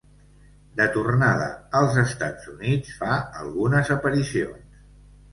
De tornada als Estats Units, fa algunes aparicions.